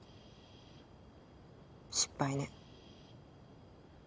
失敗ね。